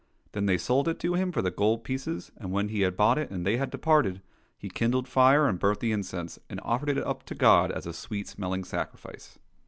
Then they sold it to him for the gold pieces, and when he had bought it and they had departed, he kindled fire and burnt the incense, and offered it up to God as a sweet smelling sacrifice.